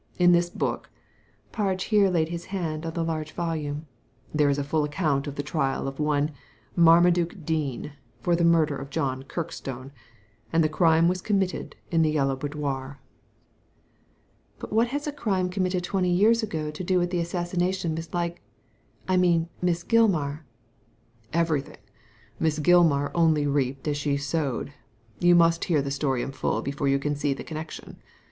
In this book, " Parge here laid his hand on the large volume, " there is a full account of the trial of one, Marmaduke Dean, for the murder of John Kirkstone ; and the crime was committed iq the Yellow Boudoir." Digitized by Google A FRIEND IN NEED 53 *But what has a crime committed twenty years ago to do with the assassination of Miss Lig — I mean, jo{ Miss Gilmar ?" ''Everything. Miss Gilmar only reaped as she sowed You must hear the story in full before you can see the connection.